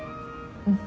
うん。